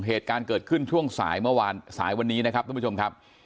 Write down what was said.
เหตุการณ์เกิดขึ้นช่วงสายเมื่อวานสายวันนี้นะครับทุกผู้ชมครับ